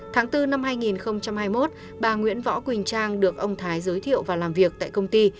tháng bốn năm hai nghìn hai mươi một bà nguyễn võ quỳnh trang được ông thái giới thiệu và làm việc tại công ty